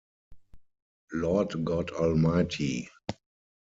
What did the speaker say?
Lord God Almighty!